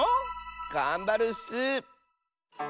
がんばるッス！